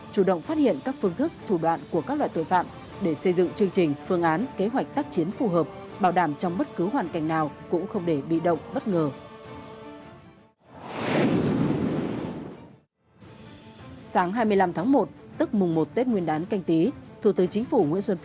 chủ động phát hiện các phương thức thủ đoạn của các loại tội phạm để xây dựng chương trình phương án kế hoạch tác chiến phù hợp bảo đảm trong bất cứ hoàn cảnh nào cũng không để bị động bất ngờ